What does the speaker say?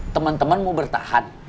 temen temen mau bertahan